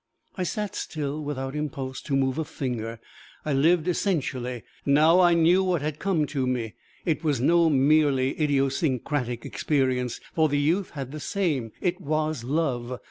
I sat still, without impulse to move a finger. I lived essentially. Now I knew what had come to me. It was no merely idiosyncratic experience, for the youth had the same: it was love!